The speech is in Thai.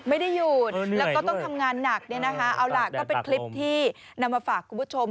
ไม่ได้หยุดแล้วก็ต้องทำงานหนักเนี่ยนะคะเอาล่ะก็เป็นคลิปที่นำมาฝากคุณผู้ชม